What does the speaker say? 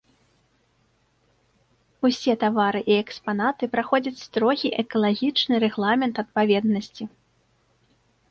Усе тавары і экспанаты праходзяць строгі экалагічны рэгламент адпаведнасці.